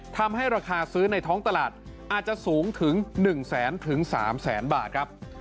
ทำให้ราคาซื้อในท้องตลาดอาจจะสูงถึง๑แสนถึง๓แสนบาทครับ